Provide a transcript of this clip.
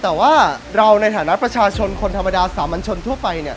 แต่ว่าเราในฐานะประชาชนคนธรรมดาสามัญชนทั่วไปเนี่ย